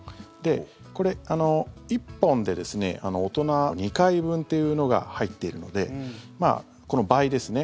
これ、１本で大人２回分っていうのが入っているのでこの倍ですね。